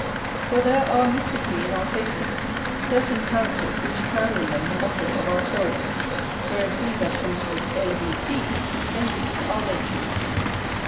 For there are mystically in our faces certain characters which carry in them the motto of our souls, wherein he that can read A, B, C, may read our natures.